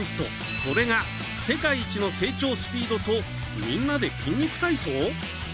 それが、世界一の成長スピードとみんなで筋肉体操？